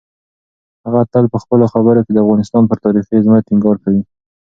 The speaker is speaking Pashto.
هغه تل په خپلو خبرو کې د افغانستان پر تاریخي عظمت ټینګار کوي.